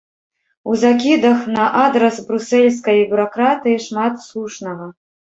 У закідах на адрас брусэльскай бюракратыі шмат слушнага.